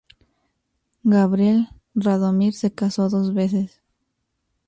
Gabriel Radomir se casó dos veces.